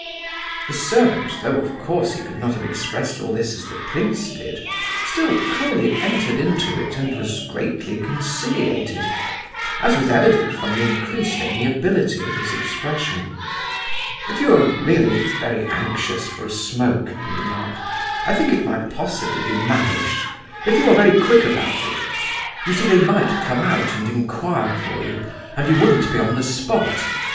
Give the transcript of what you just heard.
The servant, though of course he could not have expressed all this as the prince did, still clearly entered into it and was greatly conciliated, as was evident from the increased amiability of his expression. "If you are really very anxious for a smoke," he remarked, "I think it might possibly be managed, if you are very quick about it. You see they might come out and inquire for you, and you wouldn't be on the spot.